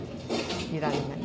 いられない。